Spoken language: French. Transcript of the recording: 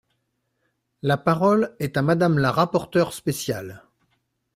La parole est à Madame la rapporteure spéciale.